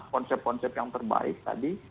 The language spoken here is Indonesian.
konsep konsep yang terbaik tadi